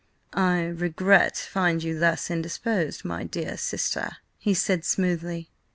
"I regret to find you thus indisposed, my dear sister," he said smoothly.